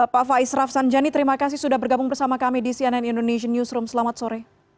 pak faiz rafsanjani terima kasih sudah bergabung bersama kami di cnn indonesian newsroom selamat sore